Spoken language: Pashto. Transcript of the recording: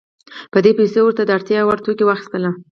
په دې پیسو یې ورته د اړتیا وړ توکي واخیستل.